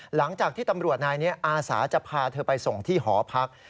หลังจากที่ตำรวจนายนี้อาสาจะพาเธอไปส่งที่หอพัก